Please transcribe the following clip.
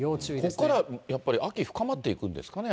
ここからやっぱり秋、深まっていくんですかね、